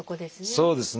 そうですね。